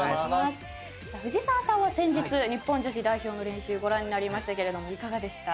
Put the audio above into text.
藤澤さんは先日日本女子代表の練習ご覧になりましたけれどもいかがでした？